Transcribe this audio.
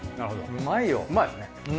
うまいですね。